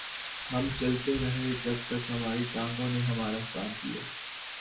ہم چلتے رہے جب تک ہماری ٹانگوں نے ہمارا ساتھ دیا